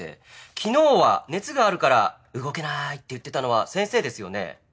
昨日は熱があるから動けないって言ってたのは先生ですよね？